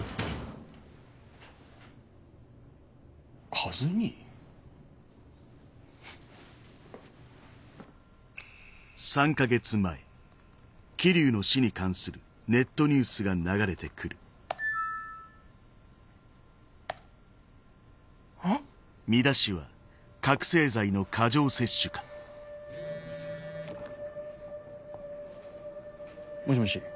カズ兄？えっ？もしもし。